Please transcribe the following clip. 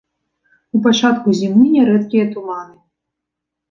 У пачатку зімы нярэдкія туманы.